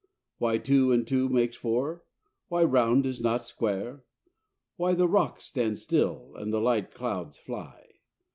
Why two and two make four? Why round is not square? Why the rocks stand still, and the light clouds fly?